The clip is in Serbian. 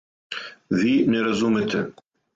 Ви не разумете.